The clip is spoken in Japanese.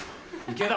池田！